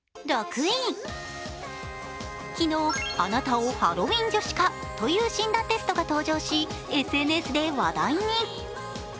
昨日、「あなたをハロウィン女子化」という診断テストが登場し、ＳＮＳで話題に。